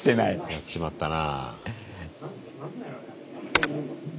やっちまったな。